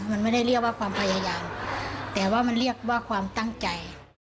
มันไม่ได้เรียกว่าความพยายามแต่ว่ามันเรียกว่าความตั้งใจ